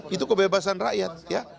itu kebebasan rakyat